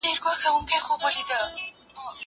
دا پاکوالی له هغه ضروري دی؟!